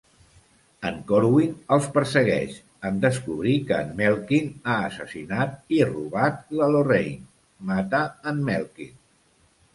En Corwin els persegueix; en descobrir que en Melkin ha assassinat i robat la Lorrein, mata en Melkin.